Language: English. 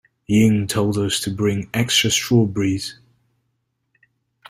Ying told us to bring extra strawberries.